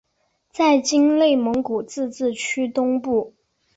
在今内蒙古自治区东部。